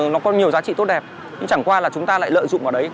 nó có nhiều giá trị tốt đẹp nhưng chẳng qua là chúng ta lại lợi dụng vào đấy